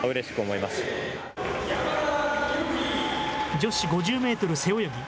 女子５０メートル背泳ぎ。